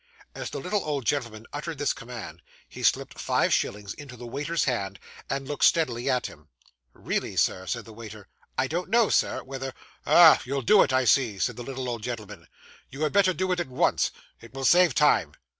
As the little old gentleman uttered this command, he slipped five shillings into the waiter's hand, and looked steadily at him. 'Really, sir,' said the waiter, 'I don't know, sir, whether ' 'Ah! you'll do it, I see,' said the little old gentleman. 'You had better do it at once. It will save time.